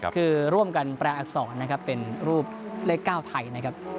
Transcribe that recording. คือร่วมกันแปลอักษรนะครับเป็นรูปเลข๙ไทยนะครับ